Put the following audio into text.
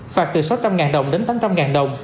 phạt từ sáu trăm linh đồng đến tám trăm linh đồng